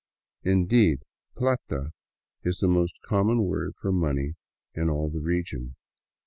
Indeed, " plata " is the most common word for money in all the region.